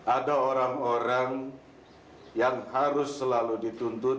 ada orang orang yang harus selalu dituntut